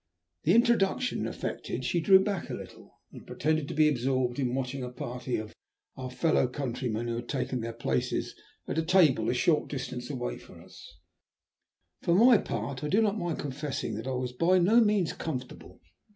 The introduction effected she drew back a little, and pretended to be absorbed in watching a party of our fellow countrymen who had taken their places at a table a short distance from us. For my part I do not mind confessing that I was by no means comfortable.